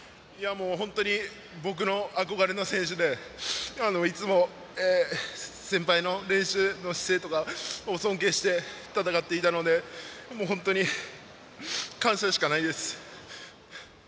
本当に僕の憧れの選手でいつも先輩の練習の姿勢とかを尊敬して戦っていたのでもう本当に、感謝しかないです。